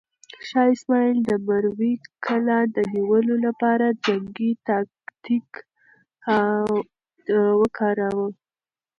شاه اسماعیل د مروې کلا د نیولو لپاره جنګي تاکتیک وکاراوه.